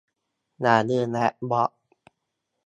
อย่าลืมแวะบล็อก